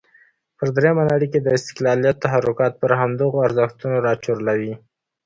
په درېمه نړۍ کې د استقلالیت تحرکات پر همدغو ارزښتونو راچورلوي.